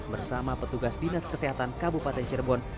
bersama petugas dinas kesehatan kabupaten cirebon